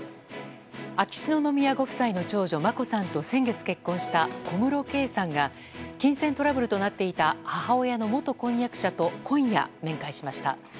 秋篠宮ご夫妻の長女・眞子さんと先月結婚した小室圭さんが金銭トラブルとなっていた母親の元婚約者と今夜、面会しました。